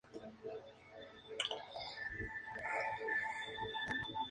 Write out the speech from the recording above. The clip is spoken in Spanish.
Fue protagonizada por Finnegan Oldfield.